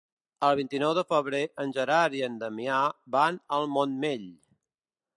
El vint-i-nou de febrer en Gerard i en Damià van al Montmell.